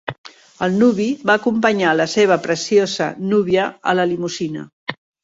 El nuvi va acompanyar la seva preciosa núvia a la limusina.